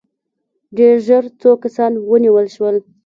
ډېر ژر څو کسان ونیول شول.